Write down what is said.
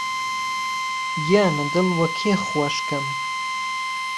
گیانه دڵ وه کێ خوهش کهم